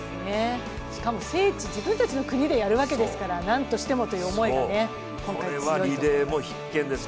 しかも聖地、自分たちの国でやるわけですからなんとしてもという思いが今回強いと思います。